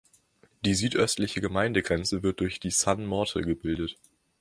Die südöstliche Gemeindegrenze wird durch die Sane-Morte gebildet.